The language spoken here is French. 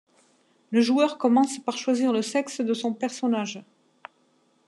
Le joueur commence par choisir le sexe de son personnage.